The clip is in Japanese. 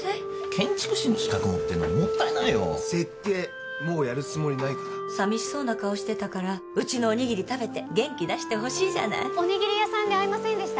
建築士の資格持ってんのにもったいないよ設計もうやるつもりないから寂しそうな顔してたからうちのおにぎり食べて元気出してほしいじゃないおにぎり屋さんで会いませんでした？